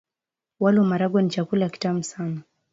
Wali na maharagwe ni chakula kitamu sana.